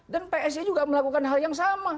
dan psi juga melakukan hal yang sama